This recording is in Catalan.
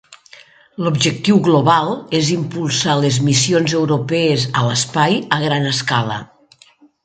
L'objectiu global és impulsar les missions europees a l'espai a gran escala.